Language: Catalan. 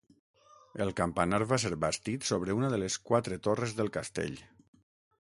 El campanar va ser bastit sobre una de les quatre torres del castell.